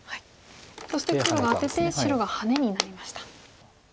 そして黒がアテて白がハネになりました。